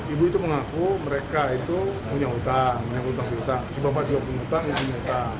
ibu itu mengaku mereka itu punya hutang si bapak juga punya hutang